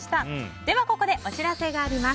では、ここでお知らせがあります。